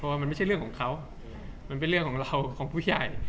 ว่ามันไม่ใช่เรื่องของเขามันเป็นเรื่องของเราของผู้ใหญ่